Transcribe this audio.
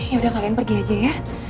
yaudah kalian pergi aja ya